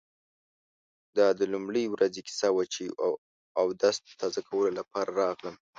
دا د لومړۍ ورځې کیسه وه چې اودس تازه کولو لپاره راغلم.